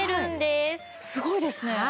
すごいですね。